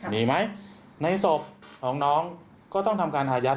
มีไหมในศพของน้องก็ต้องทำการหายัด